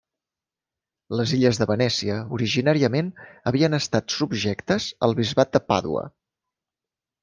Les illes de Venècia originàriament havien estat subjectes al bisbat de Pàdua.